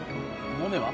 モネは？